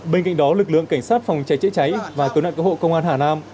bên cạnh đó lực lượng cảnh sát phòng cháy chữa cháy và tướng đoạn cơ hội công an hà nam